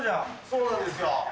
そうなんですよ。